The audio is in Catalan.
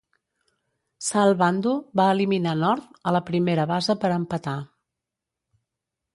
Sal Bando va eliminar North a la primera base per empatar.